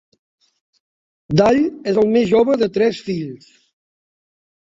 Dall és el més jove de tres fills.